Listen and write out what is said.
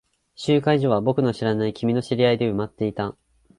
集会所は僕の知らない君の知り合いで埋まっていた。